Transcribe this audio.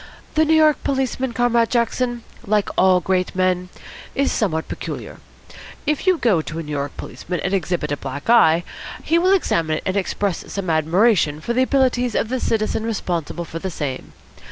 The New York policeman, Comrade Jackson, like all great men, is somewhat peculiar. If you go to a New York policeman and exhibit a black eye, he will examine it and express some admiration for the abilities of the citizen responsible for the same.